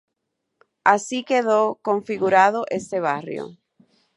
Así quedó configurado este barrio.